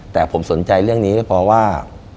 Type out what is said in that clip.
แต่ผมสนใจเรื่องนี้ก็เพราะว่า